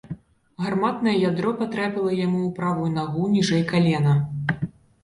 Гарматнае ядро патрапіла яму ў правую нагу ніжэй калена.